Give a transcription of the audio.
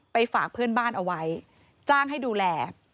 ฝากเพื่อนบ้านเอาไว้จ้างให้ดูแล